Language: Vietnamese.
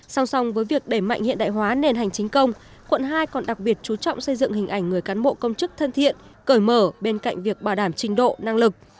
song song với việc đẩy mạnh hiện đại hóa nền hành chính công quận hai còn đặc biệt chú trọng xây dựng hình ảnh người cán bộ công chức thân thiện cởi mở bên cạnh việc bảo đảm trình độ năng lực